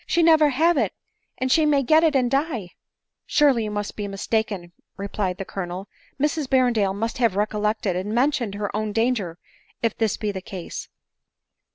she never have it, and she may get it and die !"" Surely you must be mistaken," replied the Colonel, " Mrs Berrendale must have recollected and mentioned her own danger if this be the case."